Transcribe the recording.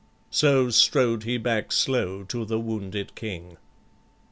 So strode he back slow to the wounded King.